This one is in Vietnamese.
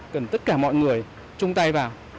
cần tất cả mọi người chung tay vào